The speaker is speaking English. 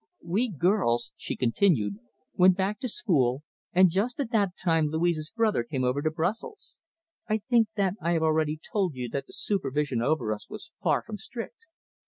"We girls," she continued, "went back to school, and just at that time Louise's brother came over to Brussels. I think that I have already told you that the supervision over us was far from strict.